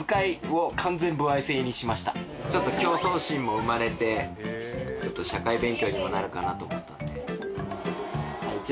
競争心も生まれて社会勉強にもなるかなと思ったんで。